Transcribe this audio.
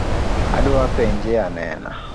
Adwa penje anena